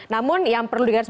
namun yang perlu digambarkan